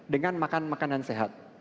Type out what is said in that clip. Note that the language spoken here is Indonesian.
dengan makan makanan sehat